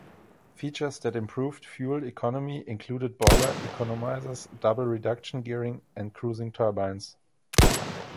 Features that improved fuel economy included boiler economizers, double reduction gearing, and cruising turbines.